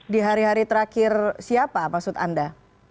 di hari hari terakhir siapa maksud anda